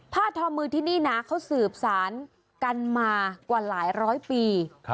ทอมือที่นี่นะเขาสืบสารกันมากว่าหลายร้อยปี